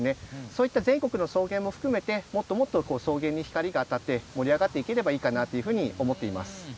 そういった全国の草原も含めてもっともっと草原に光が当たって盛り上がっていったらいいかなというふうに思っています。